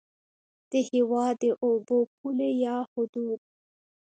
د هېواد د اوبو پولې یا حدود